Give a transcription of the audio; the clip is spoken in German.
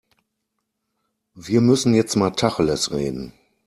Wir müssen jetzt mal Tacheles reden.